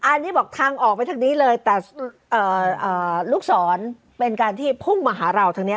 อันนี้บอกทางออกไปทางนี้เลยแต่ลูกศรเป็นการที่พุ่งมาหาเราทางนี้